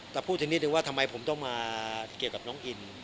แต่พูดถึงนิดนึงว่าทำไมผมต้องมาเกี่ยวกับน้องอิน